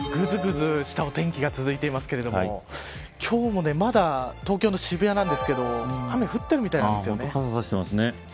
ぐずぐずしたお天気が続いていますけれども今日もまだ東京の渋谷なんですけれども傘、差してますね。